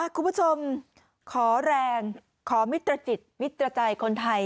คุณผู้ชมขอแรงขอมิตรจิตมิตรใจคนไทย